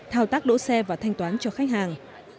thao tác đỗ xe và thanh toán cho khách hàng